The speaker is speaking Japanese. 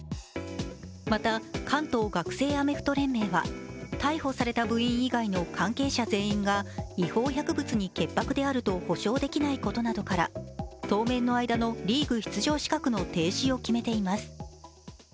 また関東学生アメフト連盟は逮捕された部員以外の関係者全員が違法薬物に潔白であると保証できないことなどから当面の間のリーグ出場資格の停止を決めています。